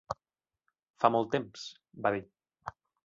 "Fa molt temps", va dir.